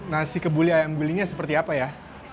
nasi kebuli ayam gulinya seperti apa ya